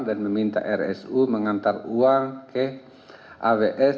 dan meminta rsu mengantar uang ke avs